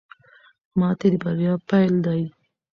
ماتې د بریا پیل دی.